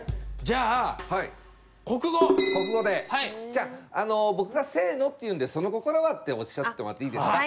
じゃあ僕が「せの！」って言うんで「その心は？」っておっしゃってもらっていいですか？